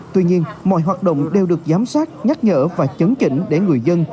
tuy nhiên mọi hoạt động đều được giám sát nhắc nhở và chấn chỉnh để người dân